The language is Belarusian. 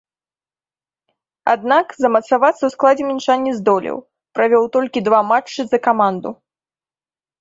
Аднак, замацавацца ў складзе мінчан не здолеў, правёў толькі два матчы за каманду.